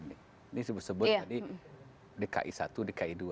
ini disebut sebut tadi dki satu dki dua